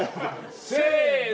せの。